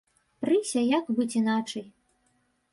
Прыся, як быць іначай?